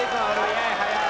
速い速い。